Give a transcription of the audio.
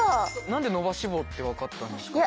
何で伸ばし棒って分かったんですか？